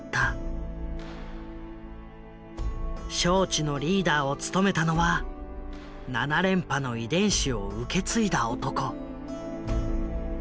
招致のリーダーを務めたのは７連覇の遺伝子を受け継いだ男。